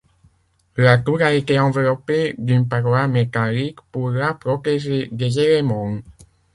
La tour a été enveloppée d'une paroi métallique pour la protéger des éléments.